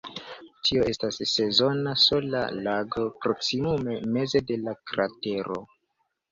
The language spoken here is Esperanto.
Tio estas sezona sala lago proksimume meze de la kratero.